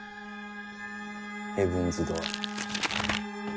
ヘブンズ・ドアー。